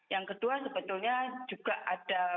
yang kedua sebetulnya juga ada